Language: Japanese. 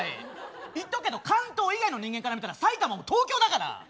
言っとくけど関東以外の人間から見たら埼玉も東京だから！